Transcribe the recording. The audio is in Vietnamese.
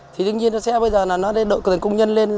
thì tất nhiên nó sẽ bây giờ là nó đợi cơ sở công nhân lên